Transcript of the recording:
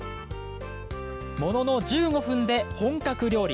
ものの１５分で本格料理。